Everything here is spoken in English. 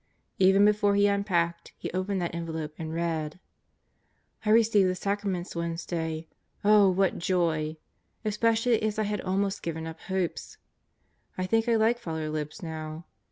Even before he unpacked, he opened that envelope and read: ... I received the Sacraments Wednesday. Oh what joy! Espe cially as I had almost given up hopes. I think I like Father Libs now.